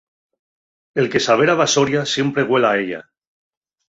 El que s'avera a basoria, siempre güel a ella.